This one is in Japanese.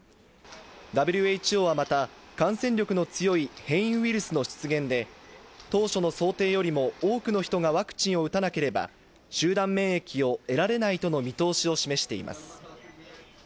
ＷＨＯはまた、感染力の強い変異ウイルスの出現で当初の想定よりも多くの人がワクチンを打たなければ、集団免疫を得られないとの見通しを示しています。